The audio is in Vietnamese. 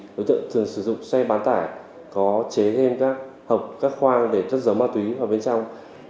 đối tượng thường sử dụng xe bán tải có chế thêm các hộp các khoang để cất dấu ma túy vào bên trong